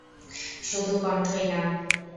শুধু কন্ঠই না।